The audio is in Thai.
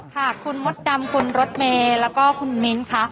ค่ะคุณมดดำคุณรถเมย์แล้วก็คุณมิ้นค่ะ